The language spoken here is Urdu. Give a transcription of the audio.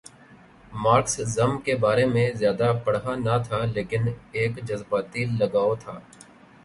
مارکسزم کے بارے میں زیادہ پڑھا نہ تھا لیکن ایک جذباتی لگاؤ تھا۔